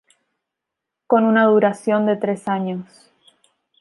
Con una duración de tres años.